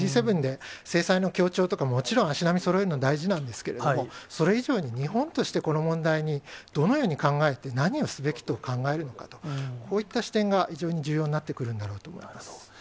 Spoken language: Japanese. Ｇ７で制裁の協調とか、もちろん足並みそろえるのは大事なんですけれども、それ以上に日本として、この問題にどのように考えて、何をすべきと考えるのかと、こういった視点が非常に重要になってくるんだろうと思います。